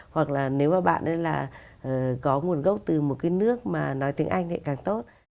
hoặc là nếu mà bạn ấy là có nguồn gốc từ một cái nước mà nói tiếng anh lại càng tốt